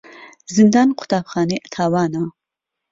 زیندان قوتابخانەی تاوانە.